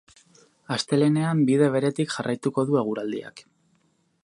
Astelehenean bide beretik jarraituko du eguraldiak.